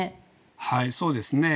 はいそうですね。